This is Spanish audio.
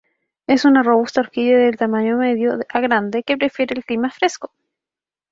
Es una robusta orquídea de tamaño medio a grande que prefiere el clima fresco.